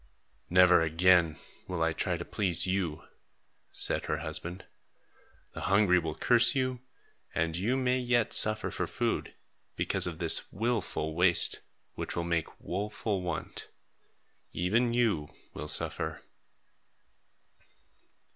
"Never again will I try to please you," said her husband. "The hungry will curse you, and you may yet suffer for food, because of this wilful waste, which will make woful want. Even you will suffer."